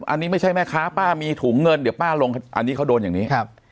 อันนี้ไม่ใช่แม่ค้าป้ามีถุงเงินเดี๋ยวป้าลงอันนี้เขาโดนอย่างนี้ครับ